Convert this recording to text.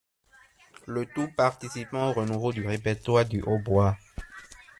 Le tout participant au renouveau du répertoire du hautbois.